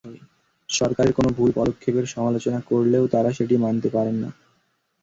সরকারের কোনো ভুল পদক্ষেপের সমালোচনা করলেও তাঁরা সেটি মানতে পারেন না।